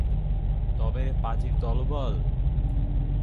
তবে রে পাজির দলবল!